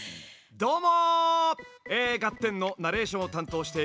どうも。